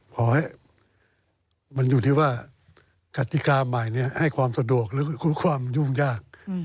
เพราะมันอยู่ที่ว่ากฎิกาใหม่นี้ให้ความสะดวกและคุ้มความยุ่งยาก